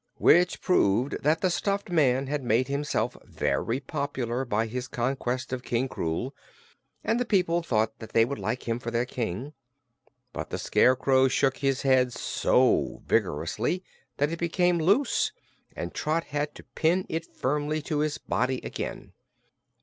Which proved that the stuffed man had made himself very popular by his conquest of King Krewl, and the people thought they would like him for their King. But the Scarecrow shook his head so vigorously that it became loose, and Trot had to pin it firmly to his body again.